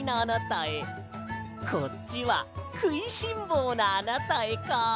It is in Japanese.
こっちは「くいしんぼうなあなたへ」か。